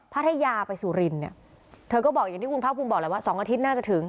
ภรรยาไปสู่รินเธอก็บอกอย่างที่คุณพระพูก็บอกแล้วว่า๒อาทิตย์น่าจะถึง